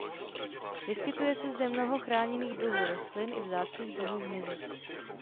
Vyskytuje se zde mnoho chráněných druhů rostlin i vzácných druhů hmyzu.